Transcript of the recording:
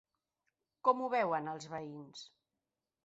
Com ho veuen els veïns?